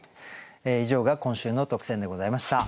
以上が今週の特選でございました。